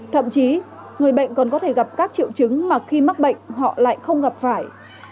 thậm chí người bệnh còn có thể gặp các triệu chứng mà khi mắc bệnh họ lại không gặp phải